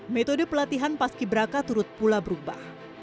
metode pelatihan paski beraka turut pula berubah